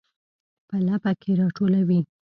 په لپه کې راټوي